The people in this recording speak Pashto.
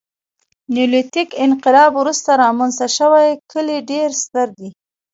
نیولیتیک انقلاب وروسته رامنځته شوي کلي ډېر ستر دي.